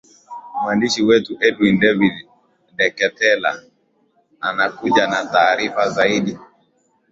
mwandishi wetu edwin david deketela anakuja na taarifa zaidi